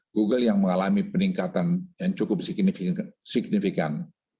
google yang mengalami peningkatan yang cukup signifikan